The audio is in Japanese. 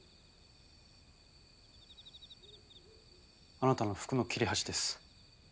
あなたの服の切れ端です。